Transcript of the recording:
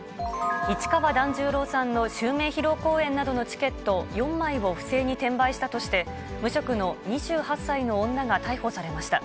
市川團十郎さんの襲名披露公演などのチケット４枚を不正に転売したとして、無職の２８歳の女が逮捕されました。